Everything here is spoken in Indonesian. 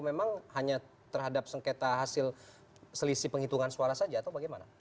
memang hanya terhadap sengketa hasil selisih penghitungan suara saja atau bagaimana